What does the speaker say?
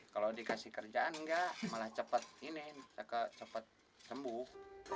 kalau dikasih kerjaan nggak malah cepet ini cepet sembuh